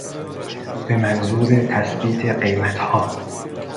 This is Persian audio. به منظور تثبیت قیمتها